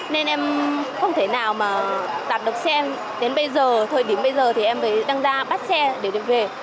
nên em không thể nào mà đặt được xe đến bây giờ thời điểm bây giờ thì em đang ra bắt xe để được về